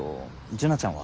樹奈ちゃんは？